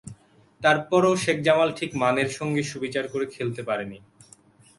তার পরও শেখ জামাল ঠিক মানের সঙ্গে সুবিচার করে খেলতে পারেনি।